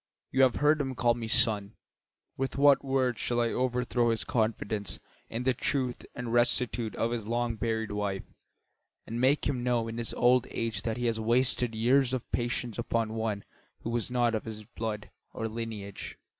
You have heard him call me son; with what words shall I overthrow his confidence in the truth and rectitude of his long buried wife and make him know in his old age that he has wasted years of patience upon one who was not of his blood or lineage?